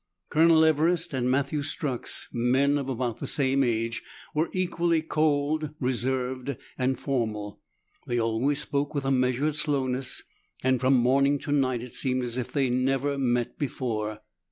Colonel Everest and Matthew Strux, men of about the same age, were equally cold, reserved, and formal ; they always spoke with a measured slowness, and from morning to night it seemed as if they had never met before.